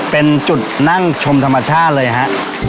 เป็นจุดนั่งชมธรรมชาติเลยฮะ